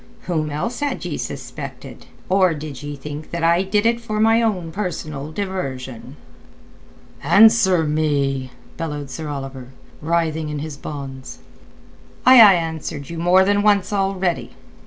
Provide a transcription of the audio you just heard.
"Whom else had ye suspected? Or did ye think that I did it for my own personal diversion?" "Answer me," bellowed Sir Oliver, writhing in his bonds. "I ha' answered you more than once already.